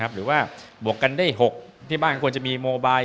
หรือว่าบวกกันได้๖ที่บ้านควรจะมีโมไบ